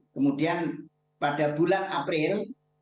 kemudian pada bulan april